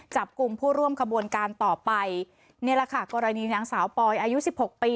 จับกลุ่มผู้ร่วมขบวนการต่อไปนี่แหละค่ะกรณีนางสาวปอยอายุสิบหกปี